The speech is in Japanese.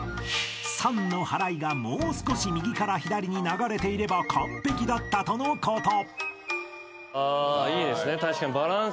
［「産」の払いがもう少し右から左に流れていれば完璧だったとのこと］